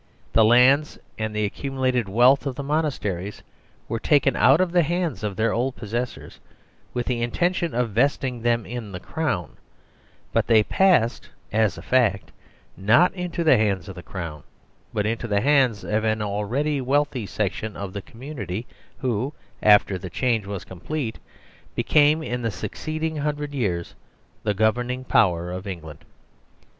The lands and the accumu lated wealth of the monasteries were taken out of, the hands of their old possessors with the intention of vesting them in the Crown but they passed, as a fact, not into the hands of the Crown, but into the hands of an already wealthy section of thecommunity who, after the change was complete, became in the succeeding hundred years the governing power of England.